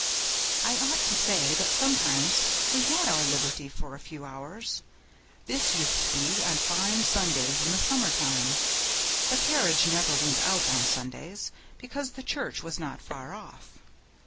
I ought to say that sometimes we had our liberty for a few hours; this used to be on fine Sundays in the summer time. The carriage never went out on Sundays, because the church was not far off.